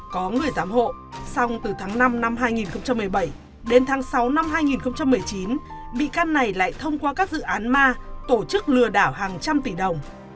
có người giám hộ xong từ tháng năm năm hai nghìn một mươi bảy đến tháng sáu năm hai nghìn một mươi chín bị can này lại thông qua các dự án ma tổ chức lừa đảo hàng trăm tỷ đồng